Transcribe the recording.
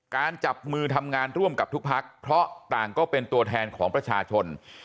จับมือทำงานร่วมกับทุกพักเพราะต่างก็เป็นตัวแทนของประชาชน